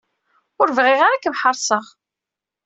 Ur bɣiɣ ara ad ken-ḥeṛseɣ.